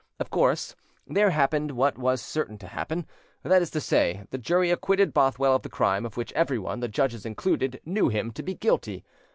Of course there happened what was certain to happen—that is to say, the jury acquitted Bothwell of the crime of which everyone, the judges included, knew him to be guilty.